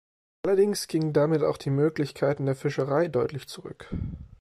Allerdings gingen damit auch die Möglichkeiten der Fischerei deutlich zurück.